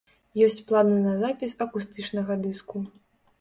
Ёсць планы на запіс акустычнага дыску.